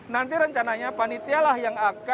nanti rencananya panitialah yang akan